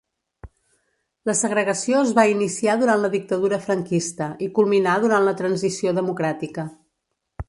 La segregació es va iniciar durant la dictadura Franquista i culminà durant la transició democràtica.